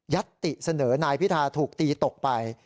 ติเสนอนายพิธาถูกตีตกไป